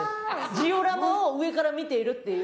ジオラマを上から見ているっていう。